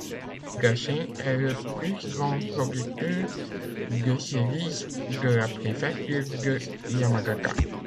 Higashine est le plus grand producteur de cerises de la préfecture de Yamagata.